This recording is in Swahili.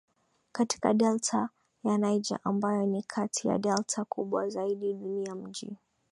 katika delta ya Niger ambayo ni kati ya delta kubwa zaidi duniani Mji